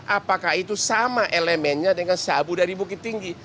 apakah itu sama elemennya dengan sabu dari bukit tinggi